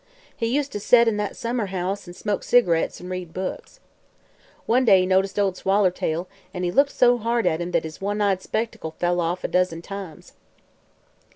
He used to set in that summer house an' smoke cigarettes an' read books. One day he noticed Ol' Swallertail, an' looked so hard at him that his one eyed spectacle fell off a dozen times.